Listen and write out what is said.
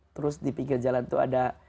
terus di pinggir jalan tuh ada